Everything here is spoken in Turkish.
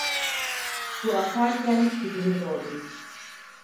Su akarken küpünü doldurur.